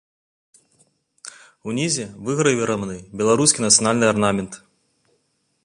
Унізе выгравіраваны беларускі нацыянальны арнамент.